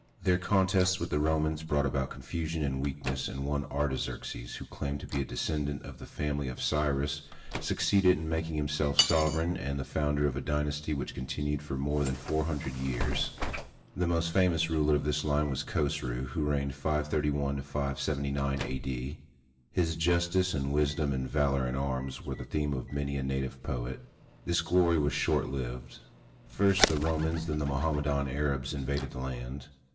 Their contests with the Romans brought about confusion and weakness, and one Artaxerxes, who claimed to be a descendant of the family of Cyrus, succeeded in making himself sovereign and the founder of a dynasty which continued for more than four hundred years. The most famous ruler of this line was Khosru, who reigned 531 79 A.D. His justice and wisdom and valor in arms were the themes of many a native poet. This glory was short lived. First, the Romans, then the Mohammedan Arabs invaded the land.